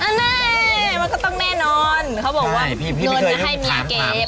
แน่มันก็ต้องแน่นอนเขาบอกว่าเงินจะให้เมียเก็บ